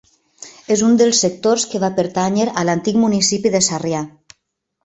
És un dels sectors que va pertànyer a l'antic municipi de Sarrià.